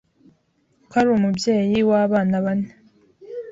ko ari umubyeyi w’abana bane.